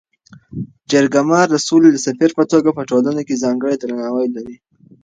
جرګه مار د سولي د سفیر په توګه په ټولنه کي ځانګړی درناوی لري.